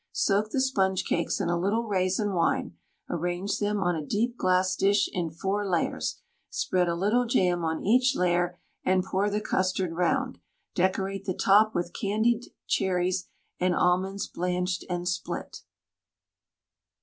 Soak the sponge cakes in a little raisin wine, arrange them on a deep glass dish in four layers, spread a little jam on each layer and pour the custard round, decorate the top with candid cherries and almonds blanched and split.